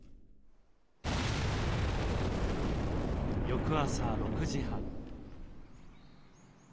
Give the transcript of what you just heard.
翌朝６時半。